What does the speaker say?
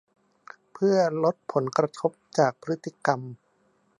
เพื่อลดผลกระทบจากพฤติกรรม